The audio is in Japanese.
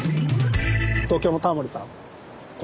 東京のタモリさん